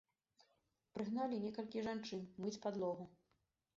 Прыгналі некалькі жанчын мыць падлогу.